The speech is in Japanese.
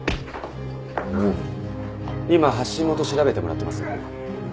今発信元を調べてもらってます。